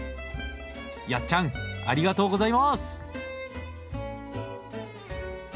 やっちゃんありがとうございます！